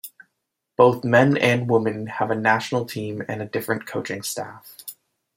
Both men and women have a national team and a different coaching staff.